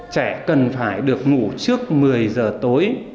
trẻ cần phải được ngủ trước một mươi giờ tối